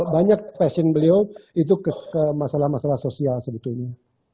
banyak passion beliau itu ke masalah masalah sosial sebetulnya